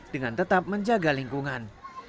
dengan tetap menjaga lingkungan